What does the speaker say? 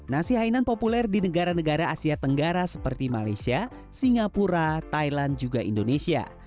nasi hainan populer di negara negara asia tenggara seperti malaysia singapura thailand juga indonesia